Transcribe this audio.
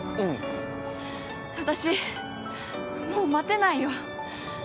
私、もう待てないよ。